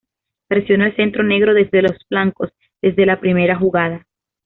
Presiona el centro negro desde los flancos, desde la primera jugada.